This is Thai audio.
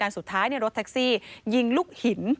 สุดท้ายรถแท็กซี่ยิงลูกหิน